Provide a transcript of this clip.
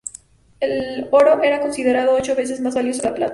El oro era considerado ocho veces más valioso que la plata.